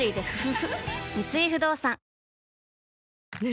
三井不動産女性